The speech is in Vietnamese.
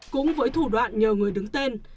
cũng với thủ đoạn nhờ người đứng tên